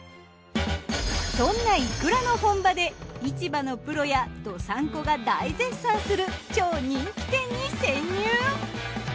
そんないくらの本場で市場のプロや道産子が大絶賛する超人気店に潜入！